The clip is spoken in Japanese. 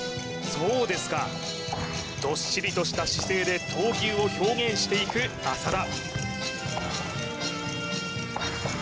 そうですかどっしりとした姿勢で闘牛を表現していく浅田